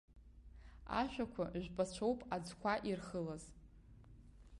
Ашәақәа жәпацәоуп аӡқәа ирхылаз.